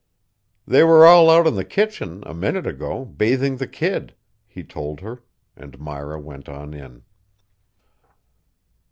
"They were all out in the kitchen a minute ago, bathing the kid," he told her, and Myra went on in.